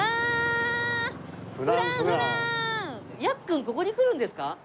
ヤッくんここに来るんですか？